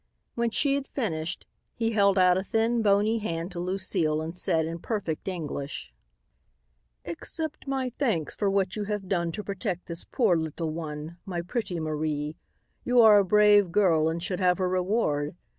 When she had finished, he held out a thin, bony hand to Lucile and said in perfect English: "Accept my thanks for what you have done to protect this poor little one, my pretty Marie. You are a brave girl and should have a reward.